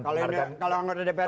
kalau anggota dpr ri